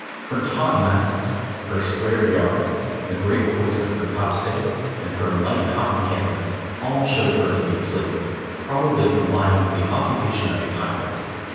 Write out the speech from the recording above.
Her taut masts, her square yards, the great hoist of her topsails, and her light cotton canvas, all showed her to be a slaver, probably combined with the occupation of a pirate.